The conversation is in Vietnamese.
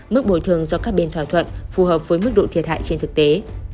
mức bồi thường do các bên thỏa thuận phù hợp với mức độ thiệt hại trên thực tế